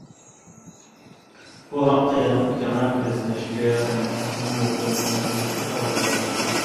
بۇ ھەقتە يەنىمۇ كەڭرەك ئىزدىنىشكە، ئۇنى تېخىمۇ مۇكەممەللەشتۈرۈشكە توغرا كېلىدۇ.